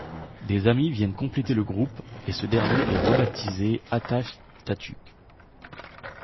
Des amis viennent compléter le groupe et ce dernier est rebaptisé Atach Tatuq.